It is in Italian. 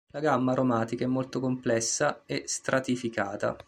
La gamma aromatica è molto complessa e stratificata.